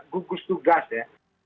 gugus tugas ya